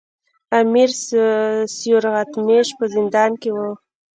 امیر سیورغتمیش په زندان کې وو.